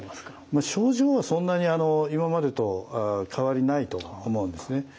症状はそんなに今までと変わりないと思うんですね。